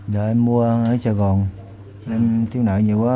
giờ em mua ở trà gòn em thiếu nợ nhiều quá